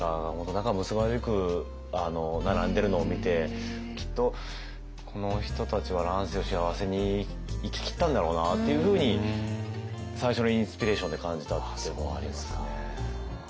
仲むつまじく並んでるのを見てきっとこの人たちは乱世を幸せに生ききったんだろうなっていうふうに最初のインスピレーションで感じたっていうのはありますね。